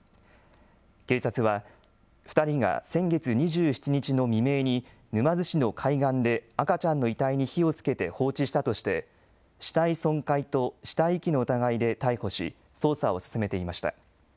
警察は２人が先月２７日の未明に沼津市の海岸で赤ちゃんの遺体に火をつけて放置したとして死体損壊と死体遺棄の疑いで逮捕し捜査を進めていました。